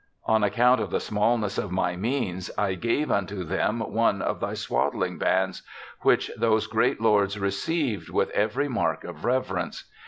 On account of the smallness of my means, I gave unto them one of thy swaddling bands, which those great lords received with every mark of reverence.